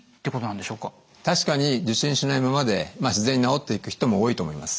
確かに受診しないままで自然に治っていく人も多いと思います。